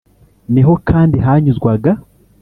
Ni ho kandi hanyuzwaga